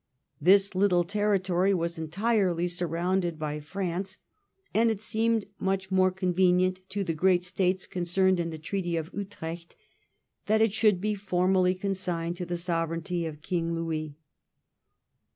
This little territory was entirely sur rounded by France, and it seemed much more con venient to the great States concerned in the Treaty of Utrecht that it should be formally consigned to the sovereignty of King Louis.